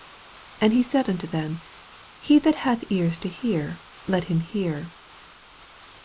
9 And he said unto them, He that bath ears to hear, let him hear.